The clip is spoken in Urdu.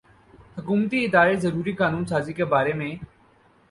حکومتی ادارے ضروری قانون سازی کے بارے میں بے